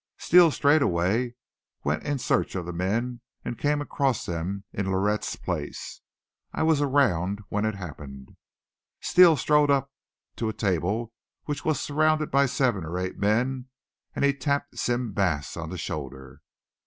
Steele straightaway went in search of the men and came across them in Lerett's place. I was around when it happened. Steele strode up to a table which was surrounded by seven or eight men and he tapped Sim Bass on the shoulder.